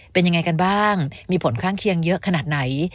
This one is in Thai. เป็นยังไงกันบ้างมีผลข้างเคียงเยอะขนาดไหน